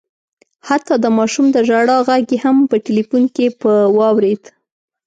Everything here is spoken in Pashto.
حتی د ماشوم د ژړا غږ یې هم په ټلیفون کي په واورېد